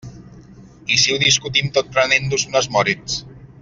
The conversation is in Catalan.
I si ho discutim tot prenent-nos unes Moritz?